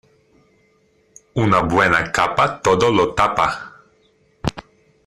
Una buena capa todo lo tapa.